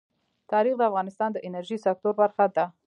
تاریخ د افغانستان د انرژۍ سکتور برخه ده.